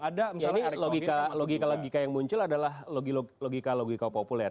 jadi logika logika yang muncul adalah logika logika populer